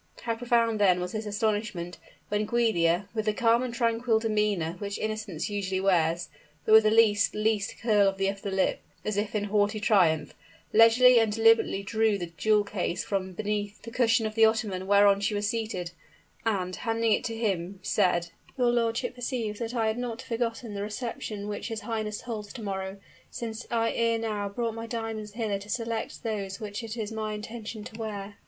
How profound then was his astonishment, when Giulia, with the calm and tranquil demeanor which innocence usually wears, but with the least, least curl of the upper lip, as if in haughty triumph, leisurely and deliberately drew the jewel case from beneath the cushion of the ottoman whereon she was seated, and, handing it to him, said, "Your lordship perceives that I had not forgotten the reception which his highness holds to morrow, since I ere now brought my diamonds hither to select those which it is my intention to wear."